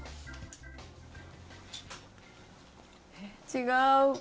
違う。